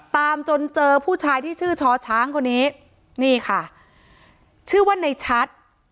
ตามจนเจอผู้ชายที่ชื่อช้อช้างคนนี้นี่ค่ะชื่อว่าในชัด